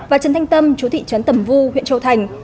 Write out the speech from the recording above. và trần thanh tâm chú thị trấn tẩm vu huyện châu thành